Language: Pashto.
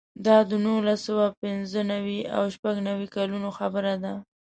دا د نولس سوه پنځه نوي او شپږ نوي کلونو خبره ده.